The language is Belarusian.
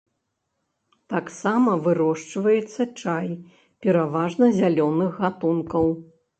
Таксама вырошчваецца чай, пераважна зялёных гатункаў.